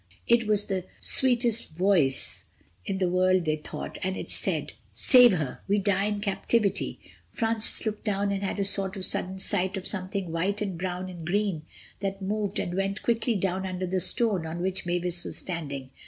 It was the sweetest voice in the world they thought, and it said: "Save her. We die in captivity." Francis looked down and had a sort of sudden sight of something white and brown and green that moved and went quickly down under the stone on which Mavis was standing.